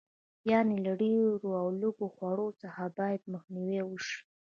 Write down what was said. یعنې له ډېر او لږ خوړلو څخه باید مخنیوی وشي.